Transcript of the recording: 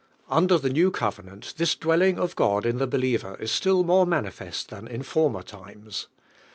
Under the new covenant this dwell iag of God in the believer is still more manifest than in former times.